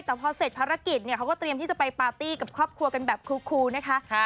แต่พอเสร็จภารกิจเนี่ยเขาก็เตรียมที่จะไปปาร์ตี้กับครอบครัวกันแบบครูนะคะ